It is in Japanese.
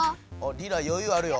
リラよゆうあるよ。